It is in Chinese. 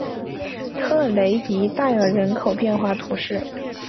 特雷迪代尔人口变化图示